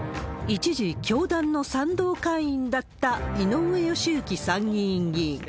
一時、教団の賛同会員だった井上義行参議院議員。